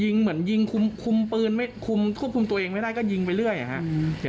ยิงเหมือนยิงคุมปืนคุมตัวเองไม่ได้ก็ยิงไปเรื่อยค่ะ